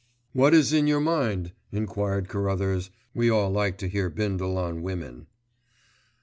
"What is in your mind," enquired Carruthers. We all like to hear Bindle on women.